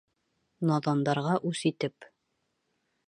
Наҙандарға үс итеп!